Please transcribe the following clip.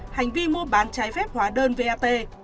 hành vi mua bán trái phép hóa đơn vat